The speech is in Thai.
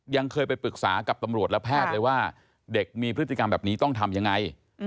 ยังเคยไปปรึกษากับตำรวจและแพทย์เลยว่าเด็กมีพฤติกรรมแบบนี้ต้องทำยังไง